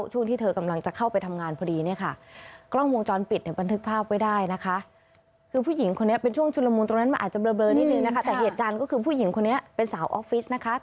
ช่วงที่เธอกำลังจะเข้าไปทำงานพอดีกล้องมงจรปิดบันทึกภาพไว้ได้